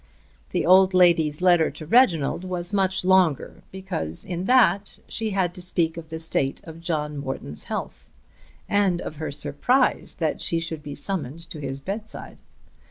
The old lady's letter to Reginald was much longer; because in that she had to speak of the state of John Morton's health, and of her surprise that she should be summoned to his bedside.